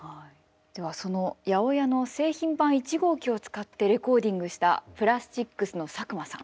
ではその８０８の製品版１号機を使ってレコーディングしたプラスチックスの佐久間さん。